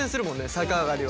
逆上がりは。